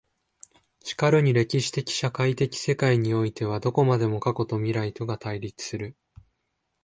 然るに歴史的社会的世界においてはどこまでも過去と未来とが対立する。